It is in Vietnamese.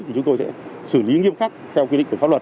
thì chúng tôi sẽ xử lý nghiêm khắc theo quy định của pháp luật